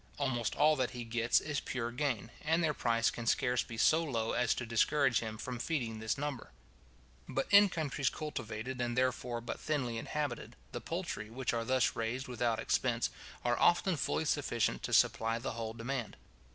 Almost all that he gets is pure gain, and their price can scarce be so low as to discourage him from feeding this number. But in countries ill cultivated, and therefore but thinly inhabited, the poultry, which are thus raised without expense, are often fully sufficient to supply the whole demand.